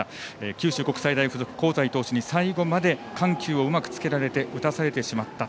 九州国際大付属、香西投手に最後まで緩急をうまく使われて打たされてしまった。